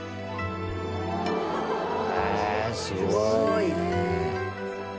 へえすごいね。